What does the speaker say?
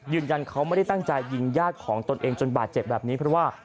ยืนยันเขาไม่ได้ตั้งใจยิงญาติของตนเองจนบาดเจ็บแบบนี้เพราะว่า